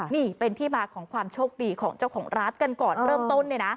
นี่เป็นที่มาของความโชคดีของเจ้าของร้านกันก่อนเริ่มต้นเนี่ยนะ